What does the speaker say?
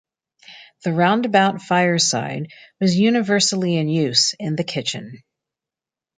The roundabout fireside was universally in use in the kitchen.